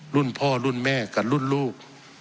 รุ่นพ่อรุ่นแม่กับรุ่นลูก